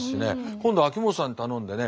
今度秋元さんに頼んでね